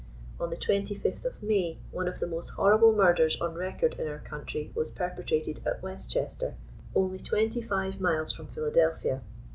On the 25th of May, one of the most horrible murders on record in our country, was perpetrated at West Chester,* only twenty five miles from Philadelphia.